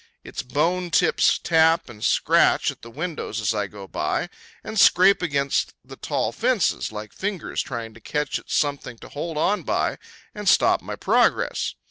Its bone tips tap and scratch at the windows as I go by, and scrape against the tall fences, like fingers trying to catch at something to hold on by, and stop my progress.